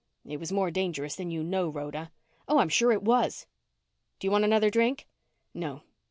"It was more dangerous than you know, Rhoda." "Oh, I'm sure it was. Do you want another drink?" "No."